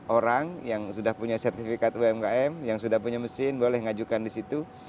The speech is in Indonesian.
orang yang sudah punya sertifikat umkm yang sudah punya mesin boleh ngajukan di situ